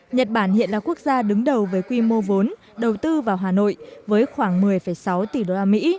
nhật bản hiện là quốc gia đứng đầu với quy mô vốn đầu tư vào hà nội với khoảng một mươi sáu tỷ usd